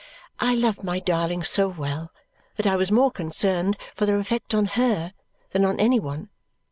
I loved my darling so well that I was more concerned for their effect on her than on any one.